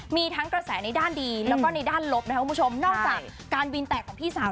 มีทั้งกระแสในด้านดีแล้วก็ในด้านลบนะครับคุณผู้ชมนอกจากการวินแตกของพี่สาว